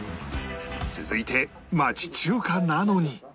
続いて町中華なのに